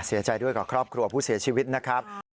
เสียใจด้วยกับครอบครัวผู้เสียชีวิตนะครับ